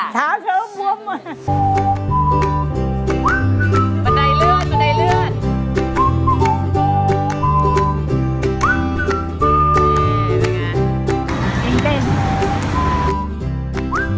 ขาเท้าบวม